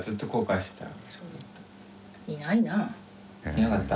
いなかった？